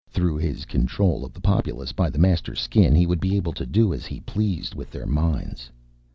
Through his control of the populace by the Master Skin, he would be able to do as he pleased with their minds.